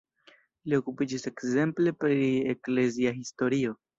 Li okupiĝis ekzemple pri eklezia historio.